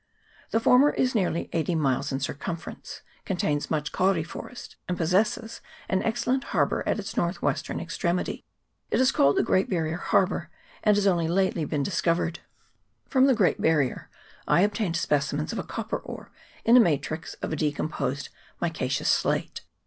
The former is nearly eighty miles in cir cumference, contains much kauri forest, and pos sesses an excellent harbour at its north western ex tremity; it is called the Great Barrier Harbour, and has only lately been discovered. From the Great Barrier I obtained specimens of a copper ore in a matrix of a decomposed micaceous slate.